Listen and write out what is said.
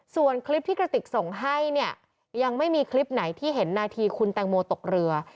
ส่วนคลิปที่กระติกส่งให้เนี่ยยังไม่มีคลิปไหนที่เห็นนาทีคุณแตงโมตกเรือ